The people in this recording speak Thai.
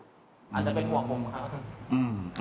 อาจจะเป็นห่วงผมครับ